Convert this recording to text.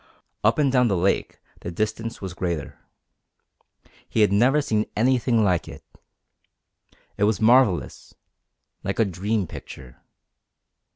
Up and down the lake the distance was greater. He had never seen anything like it. It was marvellous like a dream picture.